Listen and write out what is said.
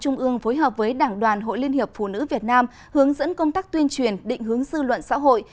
trung ương phối hợp với đảng đoàn hội liên hiệp phụ nữ việt nam hướng dẫn công tác tuyên truyền định hướng dư luận xã hội